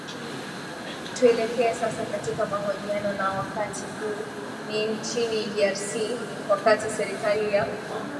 tuelekee sasa katika mahojiano na wakati huu ni nchini drc wakati serikali ya